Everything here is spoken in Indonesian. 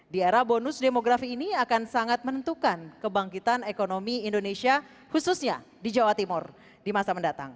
di era bonus demografi ini akan sangat menentukan kebangkitan ekonomi indonesia khususnya di jawa timur di masa mendatang